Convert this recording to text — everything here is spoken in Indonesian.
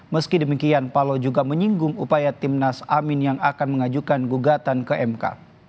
meski demikian paloh juga menyinggung upaya timnas amin yang akan mengajukan gugatan ke mk